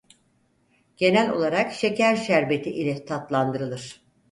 Genel olarak şeker şerbeti ile tatlandırılır.